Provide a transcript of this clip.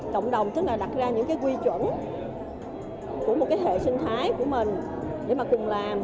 cộng đồng tức là đặt ra những cái quy chuẩn của một cái hệ sinh thái của mình để mà cùng làm